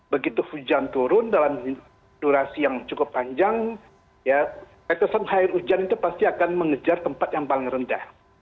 begitu hujan turun dalam durasi yang cukup panjang ya tetesan air hujan itu pasti akan mengejar tempat yang paling rendah